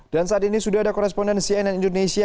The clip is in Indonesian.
dan saat ini sudah ada korespondensi cnn indonesia